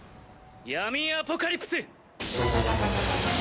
闇アポカリプス！